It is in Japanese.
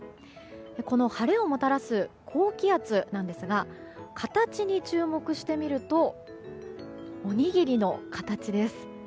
この晴れをもたらす高気圧なんですが形に注目してみるとおにぎりの形です。